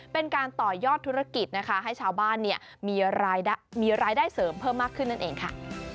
เป็นการต่อยอดธุรกิจนะคะให้ชาวบ้านมีรายได้เสริมเพิ่มมากขึ้นนั่นเองค่ะ